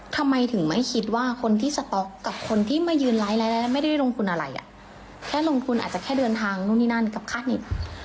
ทำไมถึงไม่คิดว่าคนที่สต๊อกกับคนที่มายืนไลฟ์ไม่ได้ลงทุนอะไรอ่ะแค่ลงทุนอาจจะแค่เดินทางนู่นนี่นั่นกับคาดิต